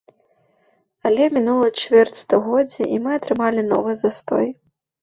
Але мінула чвэрць стагоддзя, і мы атрымалі новы застой.